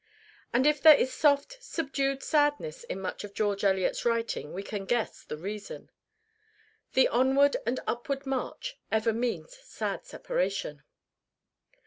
And if there is soft, subdued sadness in much of George Eliot's writing we can guess the reason. The onward and upward march ever means sad separation.